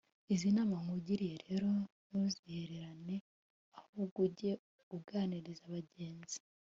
izi nama nkugiriye rero ntuzihererane ahubwo uge uganiriza bagenzi